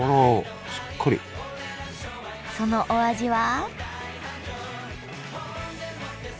そのお味は？